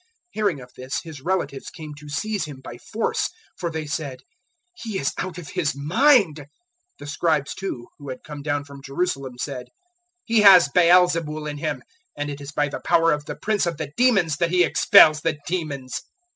003:021 Hearing of this, His relatives came to seize Him by force, for they said, "He is out of his mind." 003:022 The Scribes, too, who had come down from Jerusalem said, "He has Baal zebul in him; and it is by the power of the Prince of the demons that he expels the demons."